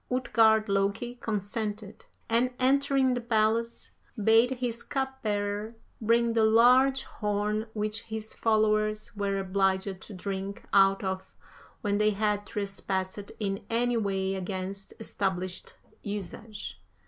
Utgard Loki consented, and entering the palace, bade his cupbearer bring the large horn which his followers were obliged to drink out of when they had trespassed in any way against established usage.